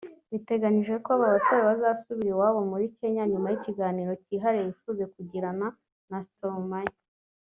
Biteganyijwe ko aba basore bazasubira iwabo muri Kenya nyuma y’ikiganiro kihariye bifuza kugira na Stromae